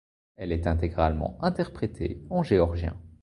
Elle est intégralement interprétée en géorgien.